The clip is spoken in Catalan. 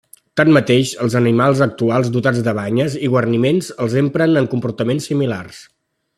Tanmateix, els animals actuals dotats de banyes i guarniments els empren en comportaments similars.